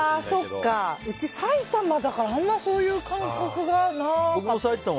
うち、埼玉だからあんまりそういう感覚がなかった。